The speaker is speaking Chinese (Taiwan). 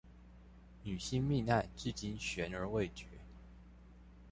女星命案至今懸而未決